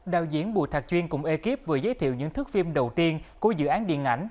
đạo diễn bù thạc chuyên cùng ekip vừa giới thiệu những thức phim đầu tiên của dự án điện ảnh